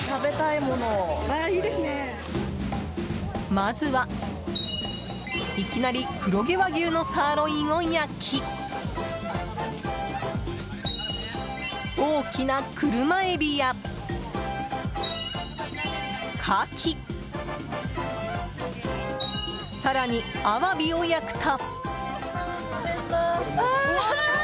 まずは、いきなり黒毛和牛のサーロインを焼き大きな車エビや、カキ更に、アワビを焼くと。